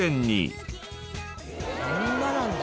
そんななんだ。